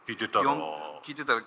聴いてたら。